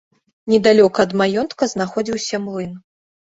Недалёка ад маёнтка знаходзіўся млын.